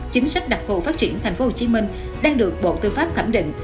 chính sách đặc thù phát triển tp hcm đang được bộ tư pháp thẩm định